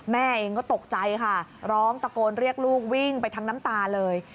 แม่เองก็ตกใจค่ะร้องตะโกนเรียกลูกวิ่งไปทั้งน้ำตาเลย